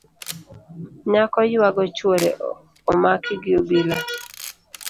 Nyako yuago chuore omaki gi obila